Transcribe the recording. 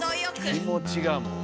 気持ちがもう。